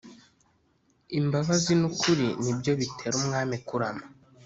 imbabazi n’ukuri ni byo bitera umwami kurama